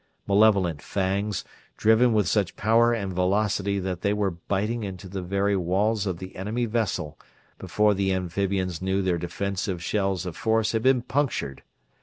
Malevolent fangs, driven with such power and velocity that they were biting into the very walls of the enemy vessel before the amphibians knew their defensive shells of force had been punctured!